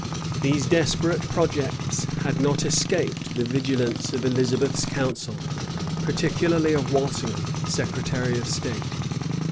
These desperate projects had not escaped the vigilance of Elizabeth's council, particularly of Walsingham, secretary of state.